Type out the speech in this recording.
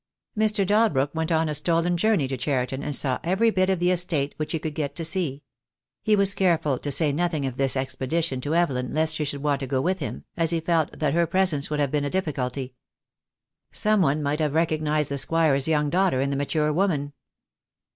Mr. Dalbrook went on a stolen journey to Cheriton, and saw every bit of the estate which he could get to see. He was careful to say nothing of this expedition to Evelyn lest she should want to go with him, as he felt that her presence would have been a difficulty. Some one might have recognized the Squire's young daughter in the mature woman.